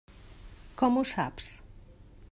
Com ho saps?